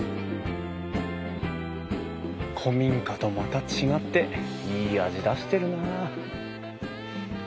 古民家とまた違っていい味出してるな。